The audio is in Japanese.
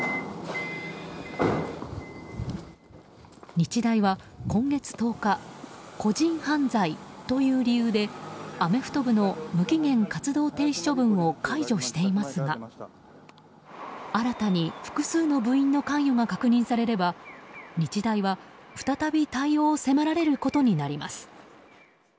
日大は今月１０日個人犯罪という理由でアメフト部の無期限活動停止処分を解除していますが新たに複数の部員の関与が確認されれば日大は再び対応を迫られることになります。